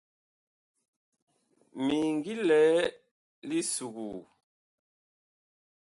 Mi ngi lɛ li suguu.